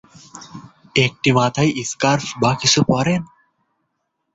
একটি মাথায় স্কার্ফ বা কিছু পরেন!